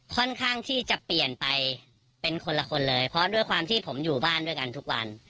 ค่อนข้างที่จะเปลี่ยนไปเป็นคนละคนเลยเพราะด้วยความที่ผมอยู่บ้านด้วยกันทุกวัน